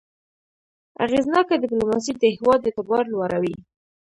اغېزناکه ډيپلوماسي د هېواد اعتبار لوړوي.